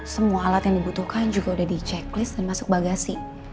semua alat yang dibutuhkan juga sudah di checklist dan masuk bagasi